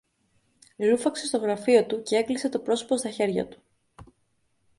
λούφαξε στο γραφείο του και έκλεισε το πρόσωπο στα χέρια του